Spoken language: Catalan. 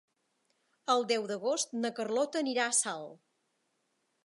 El deu d'agost na Carlota anirà a Salt.